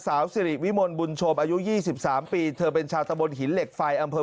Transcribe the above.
สาวสิริวิมลบุญชมอายุ๒๓ปีเธอเป็นชาวตะบนหินเหล็กไฟอำเภอ